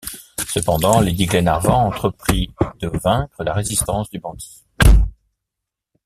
Cependant, lady Glenarvan entreprit de vaincre la résistance du bandit.